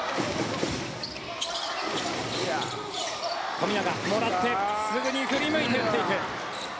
富永、もらってすぐに振り向いて打っていく。